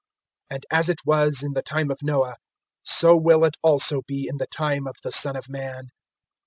017:026 "And as it was in the time of Noah, so will it also be in the time of the Son of Man.